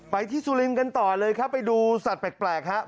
ที่สุรินทร์กันต่อเลยครับไปดูสัตว์แปลกฮะ